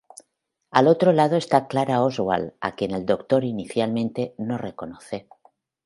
Al otro lado está Clara Oswald, a quien el Doctor inicialmente no reconoce.